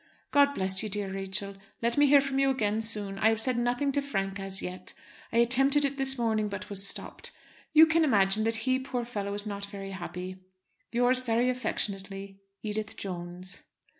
God bless you, dear Rachel. Let me hear from you again soon. I have said nothing to Frank as yet. I attempted it this morning, but was stopped. You can imagine that he, poor fellow, is not very happy. Yours very affectionately, EDITH JONES.